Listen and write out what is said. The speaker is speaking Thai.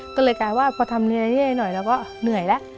ก็เลยกลายว่าพอทำเรื่อยหน่อยเราก็เหนื่อยแล้ว